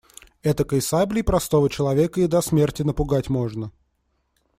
Этакой саблей простого человека и до смерти напугать можно.